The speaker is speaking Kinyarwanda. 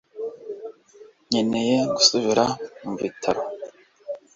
nkeneye gusubira mu bitaro